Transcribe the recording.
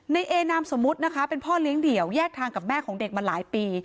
ในเอนามสมมุตินะคะเป็นพ่อเลี้ยงเดี่ยวแยกทางกับแม่ของเด็กมาหลายปี